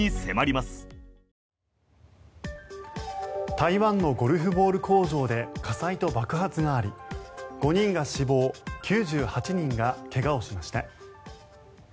台湾のゴルフボール工場で火災と爆発があり５人が死亡９８人が怪我をしました。